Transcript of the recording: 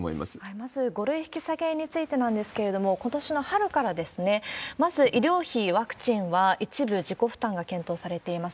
まず、５類引き下げについてなんですけれども、ことしの春から、まず医療費、ワクチンは一部自己負担が検討されています。